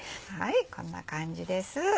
こんな感じです。